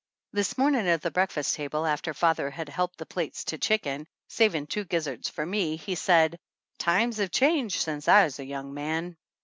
This morning at the breakfast table, after father had helped the plates to chicken, saving two gizzards for me, he said: "Times have changed since I was a young man!"